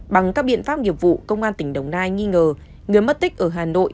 bằng các biện pháp nghiệp vụ công an tỉnh đồng nai nghi ngờ người mất tích ở hà nội